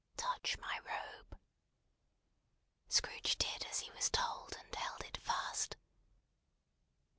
"Touch my robe!" Scrooge did as he was told, and held it fast.